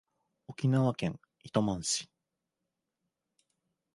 沖縄県糸満市